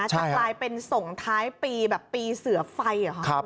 จะกลายเป็นส่งท้ายปีแบบปีเสือไฟเหรอคะ